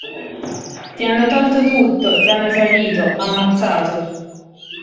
Ti hanno tolto tutto, ti hanno tradito, ammazzato.